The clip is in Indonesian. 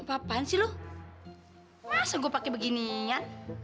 apaan sih lu masa gua pakai beginian